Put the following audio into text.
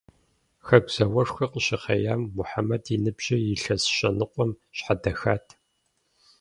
Хэку зауэшхуэр къыщыхъеям, Мухьэмэд и ныбжьыр илъэс щэ ныкъуэм щхьэдэхат.